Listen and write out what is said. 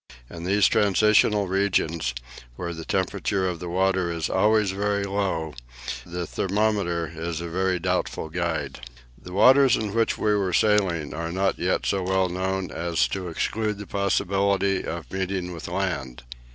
In these transitional regions, where the temperature of the water is always very low, the thermometer is a very doubtful guide. The waters in which we were sailing are not yet so well known as to exclude the possibility of meeting with land.